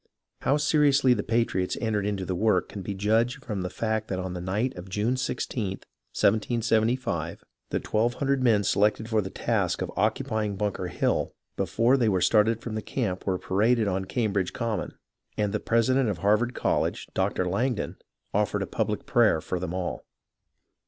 How seriously the patriots entered into the work can be judged from the fact that on the night of June i6th, 1775, the 1200 men selected for the task of occupying Bunker Hill, before they started from the camp were paraded on Cambridge Common, and the president of Harvard Col lege, Dr. Langdon, offered a public prayer for them all.